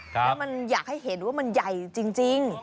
แล้วมันอยากให้เห็นว่ามันใหญ่จริง